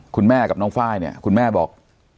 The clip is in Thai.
คุณแม่กับน้องไฟล์เนี่ยคุณแม่บอก